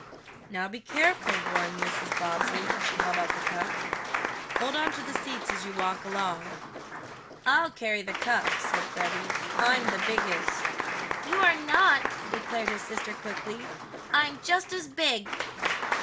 "Now be careful," warned Mrs. Bobbsey, as she held out the cup. "Hold on to the seats as you walk along." "I'll carry the cup," said Freddie. "I'm the biggest." "You are not!" declared his sister quickly. "I'm just as big."